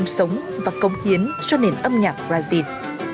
bà đã sống và công hiến cho nền âm nhạc brazil